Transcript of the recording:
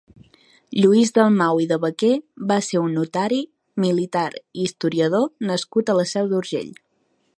Lluís Dalmau i de Baquer va ser un notari, militar i historiador nascut a la Seu d'Urgell.